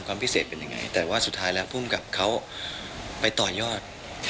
พิเศษเป็นยังไงแต่ว่าสุดท้ายแล้วภูมิกับเขาไปต่อยอด